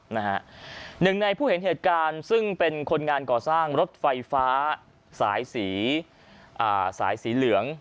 หนึ่งในผู้เห็นเหตุการณ์ซึ่งเป็นคนงานก่อสร้างรถไฟฟ้าสายสีสายสีเหลือง